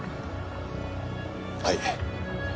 はい。